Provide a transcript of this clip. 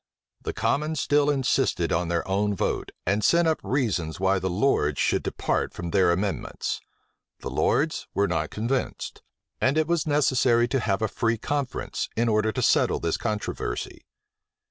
The commons still insisted on their own vote, and sent up reasons why the lords should depart from their amendments. The lords were not convinced; and it was necessary to have a free conference, in order to settle this controversy.